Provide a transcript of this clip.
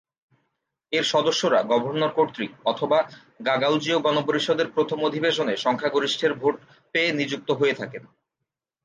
এর সদস্যরা গভর্নর কর্তৃক অথবা গাগাউজীয় গণপরিষদের প্রথম অধিবেশনে সংখ্যাগরিষ্ঠের ভোট পেয়ে নিযুক্ত হয়ে থাকেন।